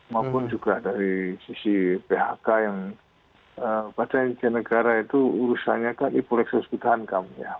maupun juga dari sisi phk yang pada ingin negara itu urusannya kan ibu leksa sekutahan kamu ya